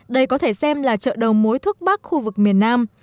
đây có thể xem là chợ đầu mối thuốc bắc khu vực miền nam